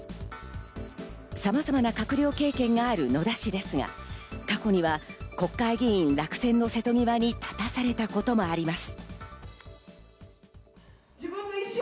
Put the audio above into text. さまざまな閣僚経験がある野田氏ですが、過去には国会議員落選の瀬戸際に立たされたこともあります。